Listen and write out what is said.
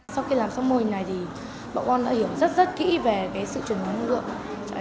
sau khi làm xong mô hình này thì bọn con đã hiểu rất rất kỹ về sự chuyển hướng năng lượng